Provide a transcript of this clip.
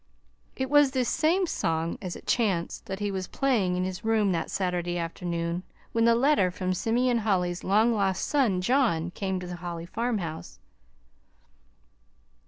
It was this same song, as it chanced, that he was playing in his room that Saturday afternoon when the letter from Simeon Holly's long lost son John came to the Holly farmhouse.